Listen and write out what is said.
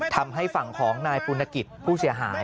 ทำให้ฝั่งของนายปุณกิจผู้เสียหาย